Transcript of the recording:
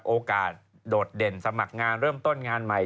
โอกาสโดดเด่นสมัครงานเริ่มต้นงานใหม่